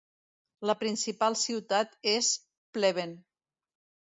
La principal ciutat és Pleven.